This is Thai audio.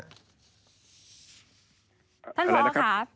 ท่านพร้อมค่ะ